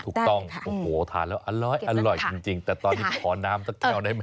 ถูกต้องโอ้โหทานแล้วอร้อยจริงแต่ตอนนี้ขอน้ำสักแก้วได้หมด